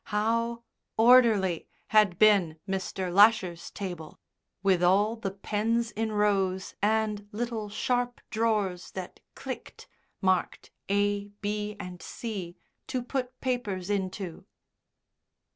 How orderly had been Mr. Lasher's table, with all the pens in rows, and little sharp drawers that clicked, marked A, B, and C, to put papers into.